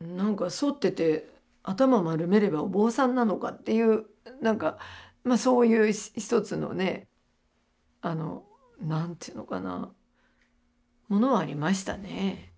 何か剃ってて頭丸めればお坊さんなのかっていう何かそういう一つのね何ちゅうのかなものはありましたね。